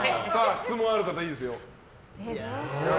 質問ある方いいですよ。